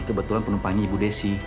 kebetulan penumpangnya ibu desi